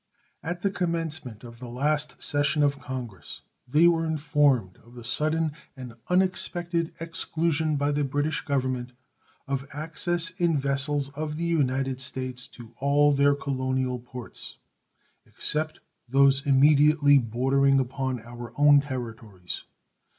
At the commencement of the last session of Congress they were informed of the sudden and unexpected exclusion by the British Government of access in vessels of the United States to all their colonial ports except those immediately bordering upon our own territories.